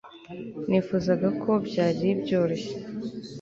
nifuzaga ko byari byoroshye